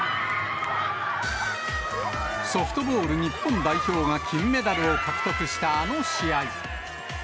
ソフトボール日本代表が金メダルを獲得したあの試合。